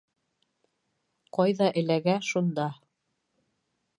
— Ҡайҙа эләгә, шунда.